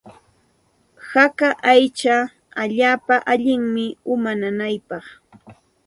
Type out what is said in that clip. Haka aycha allaapa allinmi uma nanaypaq.